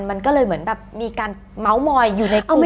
มันก็เลยเหมือนแบบมีการเมาส์มอยอยู่ในกลุ่ม